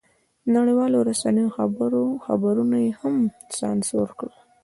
نړیوالو رسنیو خبرونه یې هم سانسور کړل.